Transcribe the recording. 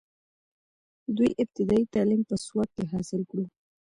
دوي ابتدائي تعليم سوات کښې حاصل کړو،